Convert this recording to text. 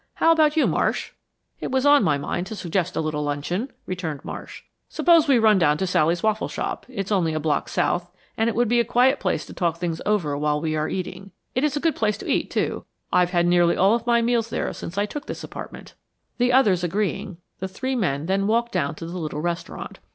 How about you, Marsh?" "It was on my mind to suggest a little luncheon," returned Marsh. "Suppose we run down to Sally's Waffle Shop. It's only a block south, and it would be a quiet place to talk things over while we are eating. It is a good place to eat, too. I've had nearly all of my meals there since I took this apartment." The others agreeing, the three men then walked down to the little restaurant.